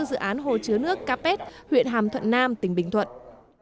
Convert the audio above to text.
dự án hồ chứa nước capet huyện hàm thuận nam tỉnh bình thuận